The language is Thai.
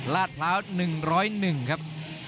ลาดพร้าว๑๐๑ครับ